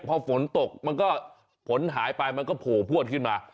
พอฝนตกมันก็ฝนหายไปมันก็โผล่พวดขึ้นมา